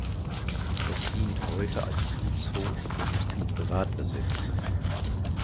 Es dient heute als Gutshof und ist in Privatbesitz.